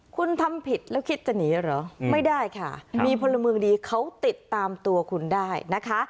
คุณทำผิดแล้วคิดจะหนีเหรอไม่ได้ค่ะมีพลเมืองดีเขาติดตามตัวคุณได้นะคะ